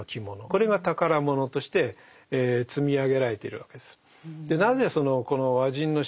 これが宝物として積み上げられているわけです。